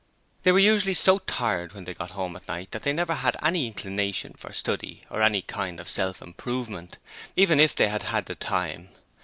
They were usually so tired when they got home at night that they never had any inclination for study or any kind of self improvement, even if they had had the time.